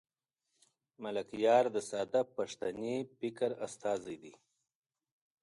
ملکیار د ساده پښتني فکر استازی دی.